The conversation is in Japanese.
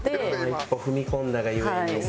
一歩踏み込んだが故に。